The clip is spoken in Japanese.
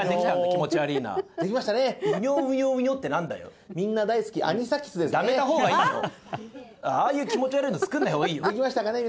気持ち悪いなできましたね「ウニョウニョウニョ」って何だよやめた方がいいよああいう気持ち悪いの作んない方がいいよできましたかね